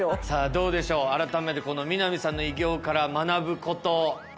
さあ、どうでしょう、改めて三並さんの偉業から学ぶこと。